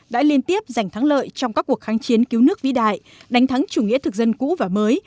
đã liên tiếp giành thắng lợi trong các cuộc kháng chiến cứu nước vĩ đại đánh thắng chủ nghĩa thực dân cũ và mới